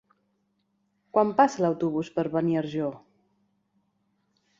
Quan passa l'autobús per Beniarjó?